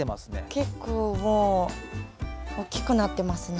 結構もうおっきくなってますね。